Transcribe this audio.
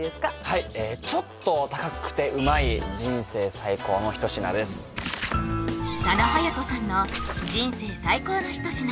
はいちょっと高くてうまい人生最高の一品です佐野勇斗さんの人生最高の一品